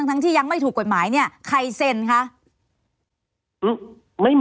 ทั้งที่ยังไม่ถูกกฎหมายเนี่ยใครเซ็นคะ